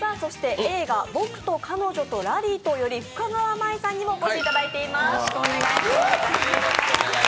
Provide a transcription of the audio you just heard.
映画「僕と彼女とラリーと」より深川麻衣さんにもお越しいただいています。